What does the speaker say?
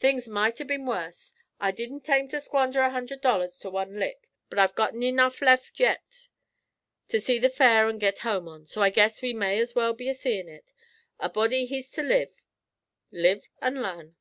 'Things might 'a' been worst. I didn't aim ter squander a hundred dollars to one lick, but I've got'n nuff left yit ter see the Fair an' git home on, so I guess we may as well be a seein' it; a body hes to live, live an' larn.'